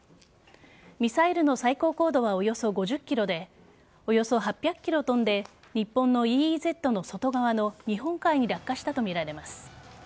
ミサイルの最高高度はおよそ５０ｋｍでおよそ８００ｋｍ飛んで日本のＥＥＺの外側の日本海に落下したとみられます。